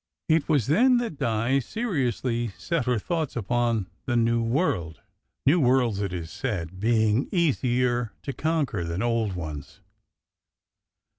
It was then that Di seriously set her thoughts upon the new world new worlds, it is said, being easier to conquer than old ones.